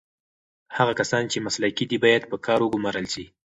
هغه کسان چې مسلکي دي باید په کار وګمـارل سي.